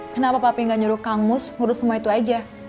kenapa papi gak nyuruh kamus ngurus semua itu aja